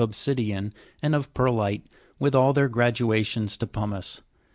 obsidian and of pe'rlite, with ail their gradations to pumice.